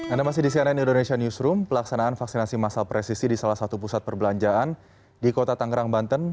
anda masih di cnn indonesia newsroom pelaksanaan vaksinasi masal presisi di salah satu pusat perbelanjaan di kota tangerang banten